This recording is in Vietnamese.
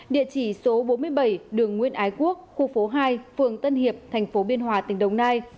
địa chỉ số bốn mươi bảy đường nguyễn ái quốc khu phố hai phường tân hiệp thành phố biên hòa tỉnh đồng nai